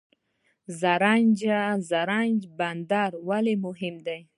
زرنج بندر ولې مهم دی؟